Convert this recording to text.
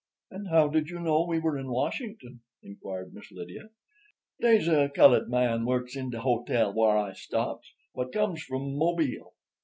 "And how did you know we were in Washington?" inquired Miss Lydia. "Dey's a cullud man works in de hotel whar I stops, what comes from Mobile.